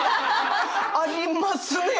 ありますね。